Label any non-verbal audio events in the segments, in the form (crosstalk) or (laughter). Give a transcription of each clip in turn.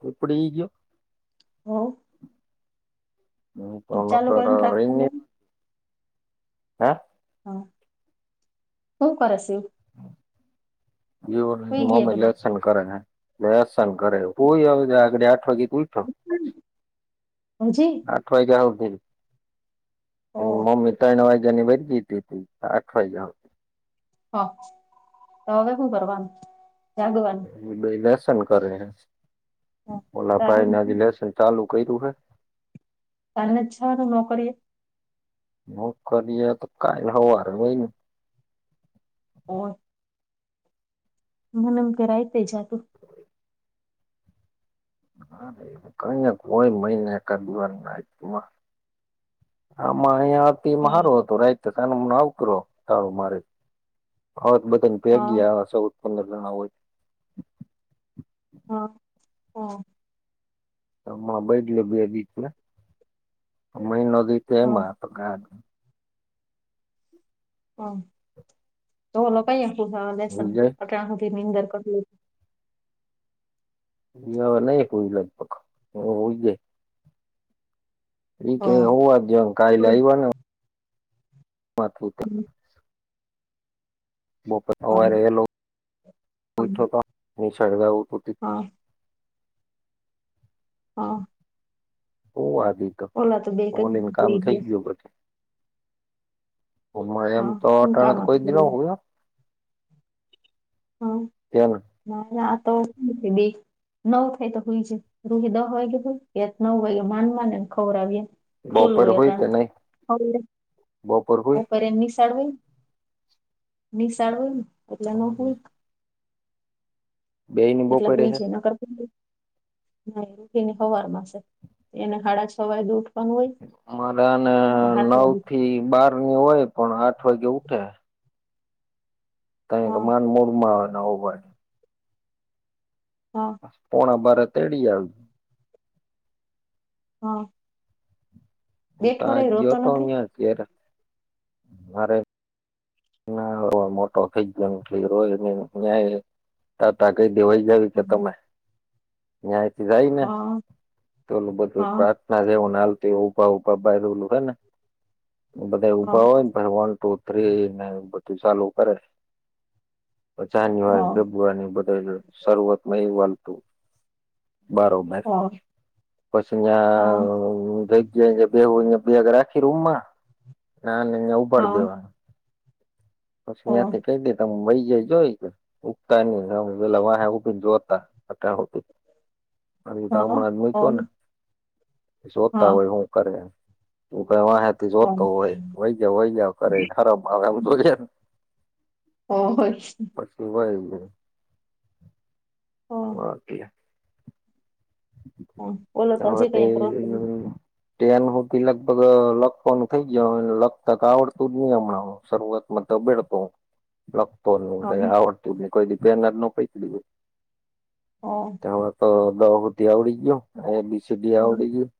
વ ઉપડી ગયો. હવ. મુ કોલ અ ચાલુ કર કરીને એને રાખવાનું (unintelligible) હે. હન, હું કર શી? દીવોની સુઈ ગયા મમ્મી બધા લેશન કરે હે, લેશન કરે હે સુઈ (unintelligible) આગડી આઠ વાગે તો ઠો હજી આઠ વાયગા ઉઠી. એન ઓ મમ્મી ત્રણ વાજ્યાની વરગી તી તી, આઠ વાયજા હઅ, તો હવે શું કરવાનું, જાગવાનું? અન ઈ બેય લેશન કરે હે, તાર ઓલા તારને ભાઈને આજ લેશન ચાલુ કર્યું હે તાર નથ છવાનું નોકરીએ? નોકરીએ તો કાલ હવારે હોય ને. ઓય (unintelligible) મુન એમ કે રાયતે જાતુ. ના રે, કઈએક હોય મહિને એકાદ દી વાર નાઈટમાં. હમારે આ (unintelligible) તે હા મારો હતો રાયતે ચાલુ મ ના ઉપડ્યો હવ મારે હ (unintelligible) બતાન તે હા ગ્યારાસો પંદર જણા હોય. હા, હા. એમાં બદલ્યો બે દિ થયા, મહિનો દી તે હા એમાં હતો, ગા હન, તો લોકાઈ એ (unintelligible) લેશન હુઈ જાય તો ત્યા હુથી નીંદર કરવી એ હવે નઈ હુઈ લગભગ હું હુઈ જાય. ઈ કે હા હુવા દયો ન કાલ હા આઈવા ને માથું તા બપોરે હવારે વહેલો ઉઠ્યો હા તો નિશાળ જાઉં તું તી. (unintelligible) હઅ. હુવા દીધો. બે તો કઈ ઓલીન કામ સુઈ થઈ ગયા ગયું બધુ. અમાર એમ હા તો શું અટાણે કામ તો કોઈ દી હતું ના હુવે હો. હમ્મ, (unintelligible) તે દી નવ થાય તે હુઈ જાય, તેદી દહ વાગે (unintelligible) નવ વાગે માંડ માંડ એન ખવરાવી એ. ખુલ્લું બપોર હોય હુઈ કે નઈ અટાણે, (unintelligible) બપોર એન નિશાળ હોયન. નિશાળ હોયન એટલે ન (unintelligible) બેયની એટલે બપોરે હુઈ હે જાય નકર તો ના ઉઠ ને સવાર માંસે એને હાડા છ વાગે ઊઠ મારે આને નવ વાગે થી બાર ની હોય પણ આઠ વાગે ઉઠે. ક કે હા માન મૂળ માં હોય એવું હોય. હા પોણા બારે તડી આવી. હઅ. હું તો આજ ગયો રોતો તો નથી ન્યા અત્યારે. મારે ના (unintelligible) મોટો થઈ ગયોન, ઈ રોય રોયેન ન્યા તાતા કઈ દેવઈ જાય (unintelligible) કે હા તમે? ન્યાથી જાય ને હા ચોલું બધું હા પ્રાર્થ જેવું નાલ ભા ઉભા બાલું હો ને બધા હા ઊભા હોય ના વન ટુ થ્રીને બધું ચાલુ કરે જાન્યુઆરી હા ફેબ્રુઆરી બદલ શરૂઆતમય હાલતું બરોબર હા પછી હા અહયા જે બેગયા બેગ રાખી રૂમમાં અહિયા ઉભાડી હા દેવાનું પછી હા ત્યાંથી કઈ દે તા વય જાય જોય ઉગતા નહિ પેલા વાહે ઊભા જોતા આન હા હમણાં મુક્યો ને હા શોતા હોય હું કરે જવાય હે જો હા તો હો વય ગયા વય ગયા કરે હરખ આવે જો કેે એમ ઓ હ પછી વય ગયો ઓકે (unintelligible) હા ઓલો તો હજી કઈ રોતું ન હું ભી લગભગ લખવાનું થઈ ગય લખતા આવડતું જ નહી હમણાં શરૂઆત માં ધાબેડતો હન લગતો ક આવડતું કોઈ રી પેન જ નો પકડી હોય. હ હવે તો દસ સુંધી આવડી ગયું એ બી સી ડી આવડી ગયું.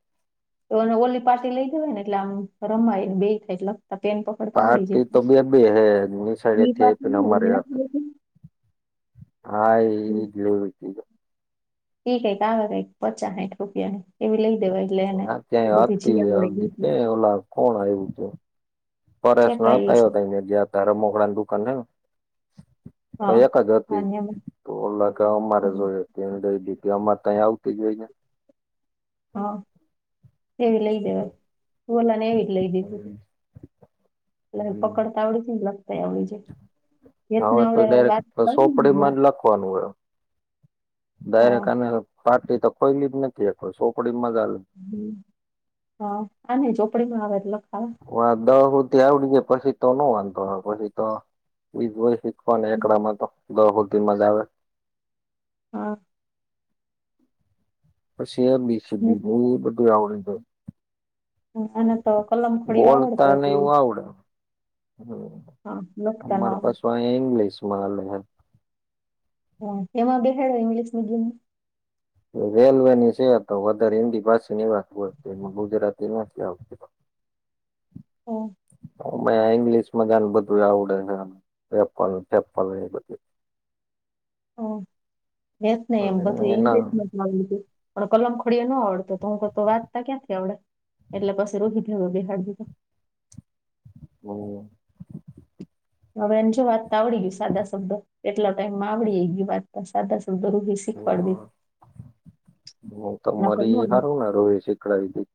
તો ઓલી પાછી લઈ જવાય ને એટલે આમ રમાયને બે થાય એટલે ત પેન પકડતા આવડી પાર્ટી તો બે બે હે એની જ સાઈડેથી પા આયપી ને અમારે હા એવી જ લેવી ત ઇ કઈક આવે કઈક પચા સાઈઠ રૂપિયા નું હા ત્યાંય મળે હતીધ ગીતી ક ઓલા કોણ આવું છે પરસ નતા ચેકાઈ છે આવયો તને જ્યાંતા ત્યાં રમકડાં ની દુકાન છે હા ને. એક જ હતી માન્યમાં ઓલા કે અમારે જોઈએ છે એને દાઈ દીધી અમારે તો અહીયા આવતી જ હોય છે હા એવી લઈ દેવા બોલા ને એવી જ લઈ દીધું. લ ને પકડતા આવદી જાય તો લખતાય આવડી જાય એને હવે તો એવડે વાત ડાયરેક્ટ હમણા સોપડીમાં ડાયરેક આને પટી તો ખોઈલી જ નથી ચોપડી માં જ હાલે છે હ હા આને ચોપડી માં આવે છે લખવાનું હ દહ સુધથી આવડી જાય પછી તો ન વાંધો પછી તો એજ હોય બધુ. કોને એકડામાં તો દહ હુંધિ માં જ આવે હા પછી એમીશીદી ને બધુ આવદી જાય આને તો કલમ ખોડી આવડતો બોલતા ને હતી એવું આવડે હા લખતા ન અમાર પાછ અહીયા ઇંગ્લિશ માં આવે હા એમાં બેહડ્યો ઇંગ્લિશ મીડિયમ? રેલવે ની છે તો વધારે હિન્દી ભાષીની વાત હો એમાં ગુજરાતી નથી આવતી (inaudible) ઓ હ ઈંગ્લિશ માં ગને બધું આવડે છેે બધ હ એત ન એમ અને બધું એંગ એના રત મ પણ કલમ ખડીે ન આવડતો તો હું વાંતા ક્યાંથી આવડે એટલે પાછી રોકી થ બેહારધ હમ હવે એમ જો વાતતા આવડી ગયું સાદા શબ્દ એટલા ટાઈમમાં આવડી ગયું વાતતા સાદા શબ્દ રોહી હમ હું દીધું નકર ન તમારી આવડે સારું રોહ શીકડાાવધ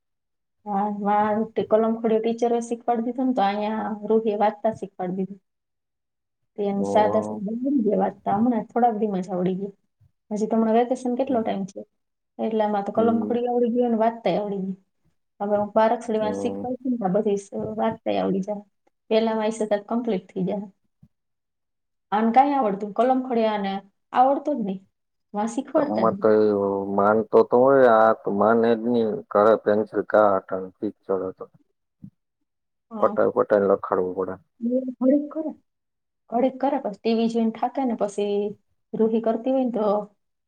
હા કલમ ખોડ ટીચરો શીખવાડી દીધું ને તો અહીંયા રૂહ વાચતા શીખવાડી દીધું (inaudible) સાદા વાતતા હમણાં થોડા બધી મજા ઉડી ગય પછી તમ કેટલો ટાઈમ છે એટલેમાં તો કલમ હમ ખોડી આવડી ગયો ને વાત થાય આવડી ગય હવે હું બારક છોડી હમ શીખવા ને બધી વાત થ આવડી જાય પેલા મારી સતાબ કમ્પ્લીટ થઇ જાય અને કઈ આવડતું કલમ ખડી આ આવડતો જ નહી મત (unintelligible) માનતો તો હોય આ માને એ જ નહી કર પેન્સિલ કાટ પિકચર હતો પટાાવ પટાાઈ લખાડવું પડે હ મળળ ખરા ઘડીક કરે પછી ટીવી જોઈને થાકે ને પછી રૂહી કરતી હોય ને તો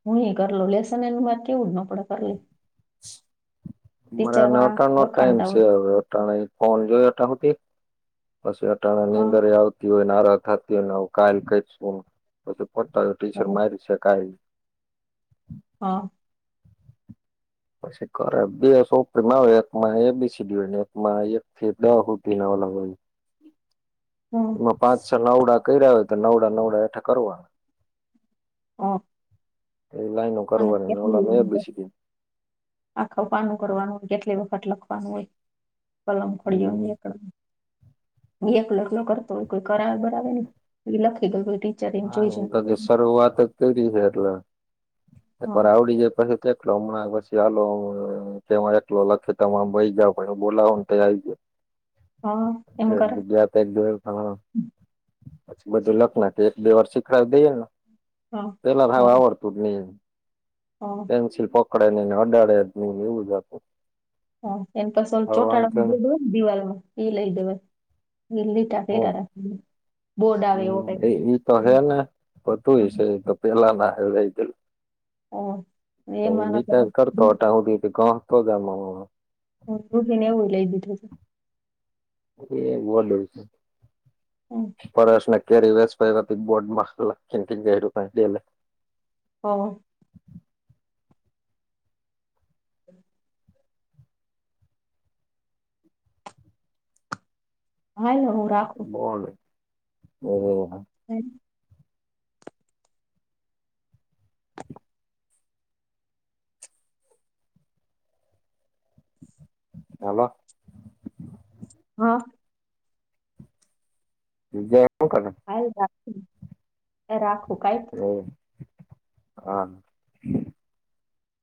હું એ કરલો લેસન એ વાર કેવ જ નપડે કર લ અરા માં નવટાણ નો ટાઈમ વખાણતા છે હોય હવે અટાણ ફોન જોય અટતી પછી અટા ની હા અંદર આવતી હોય ને આત હતી હોયને કાલ કઈું પછી પોતા ટી શરટ હા મારી છે કાલ હા પછી ખરા બે સોપરીમાં આવે એકમાં એ બીસીીડુ ને એકમાં એક થી દ લી નાવા લ હમ એમાં પાંચ છ નવડા કર્યા હોય તો નવડા નવડા એઠા કરવા ઓ એ લાઈનો કારોબ ન ઓલા મે બેસીી દ આખા પાનું કરવાનું હોય કેટલી વખત લખવાનું હોય પલમ હમ્મ કોડીને એકડ બે એક લગ્ન કરતો હો કોઈ કરાવ બાવે ને એ લખી ગ હા હું તો શરૂઆત જ કરી છે એટલે એક હા વાર આવડી જાય પછી એકલો હમણાં પછી આાલ કે એકલો લખી તમા આમ બહી જાાવ પણ બોલાવને આવી ગયો હા એમ કરે ગુજરાત એક દ પછી બધું લખ નાખ બે વાર શીખડાવી દઈએ ને હા પેલા હાવ આવડતું જ નહી હ પેન્સિલ પકડે નેને અડાડે એવું જતું હા એની પાછ ઓ ચોટાળ તેમ જો દે ને દિવાળમાં ઈ લઈ દેવે એ લીટા કેટા હમ હમ એ તો હે ને બધું હ છે એ તો પેલા ના હ લઈ ગેલું હા તો હું એમાં નકર લીતા કરતો હટા હુંધ ગણતો જ રૂખ ને એવું લઈ દીધું છે એ વડું હમ. છે પશના કે વ બોટમાં ખનકીન ક કલે હ હ હારા બોળ ઓ હમ હાલો હા જય કર હ રાખ રાખું કઈ એ હા